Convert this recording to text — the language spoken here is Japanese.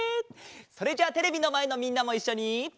それじゃあテレビのまえのみんなもいっしょに。